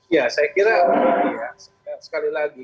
ya saya kira sekali lagi